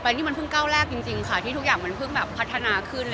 นี่มันเพิ่งก้าวแรกจริงค่ะที่ทุกอย่างมันเพิ่งแบบพัฒนาขึ้น